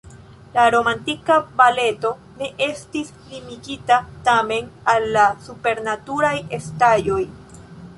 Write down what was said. La romantika baleto ne estis limigita, tamen, al la supernaturaj estaĵoj.